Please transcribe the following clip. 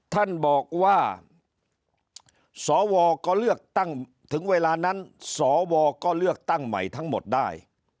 ท่านบอกว่าสวก็เลือกตั้งถึงเวลานั้นสวก็เลือกตั้งใหม่ทั้งหมดได้